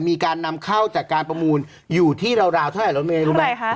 มีการนำเข้าจากการประมูลอยู่ที่ราวราวเท่าไหร่รู้ไหมอะไรค่ะ